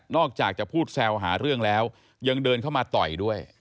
อกจากจะพูดแซวหาเรื่องแล้วยังเดินเข้ามาต่อยด้วย